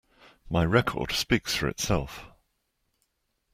My record speaks for itself.